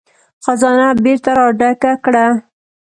خزانه بېرته را ډکه کړه.